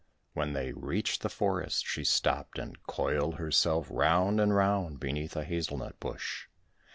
When they reached the forest she stopped and coiled herself round and round beneath a hazel nut bush.